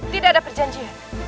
tidak ada perjanjian